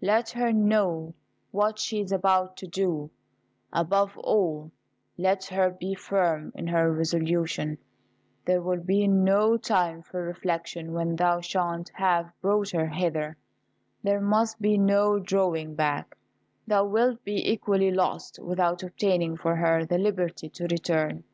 Let her know what she is about to do: above all, let her be firm in her resolution. There will be no time for reflection when thou shalt have brought her hither. There must be no drawing back: thou wilt be equally lost, without obtaining for her the liberty to return."